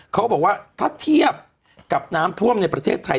เขาบอกว่าถ้าเทียบกับน้ำท่วมในประเทศไทย